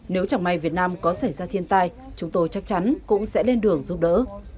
nếu chẳng may việt nam có xảy ra thiên tai chúng tôi chắc chắn cũng sẽ lên đường giúp đỡ